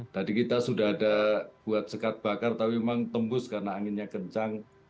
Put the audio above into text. tadi kita sudah ada buat sekat bakar tapi memang tembus karena anginnya kencang